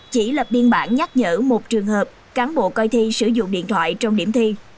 chỉ lập biên bản nhắc nhở một trường hợp cán bộ coi thi sử dụng điện thoại trong điểm thi